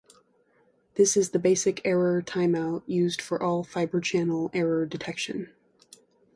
This is the basic error timeout used for all Fibre Channel error detection.